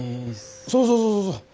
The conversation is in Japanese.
そうそうそうそうそう。